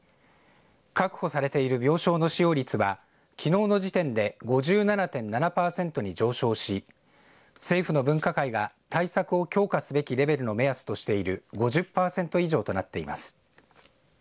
確保されている病床の使用率はきのうの時点で５７．７パーセントに上昇し政府の分科会が対策を強化すべきレベルの目安としている５０パーセント以上となっています。